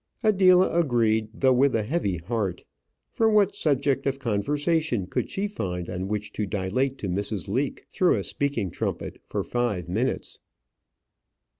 Adela agreed, though with a heavy heart; for what subject of conversation could she find on which to dilate to Mrs. Leake through a speaking trumpet for five minutes?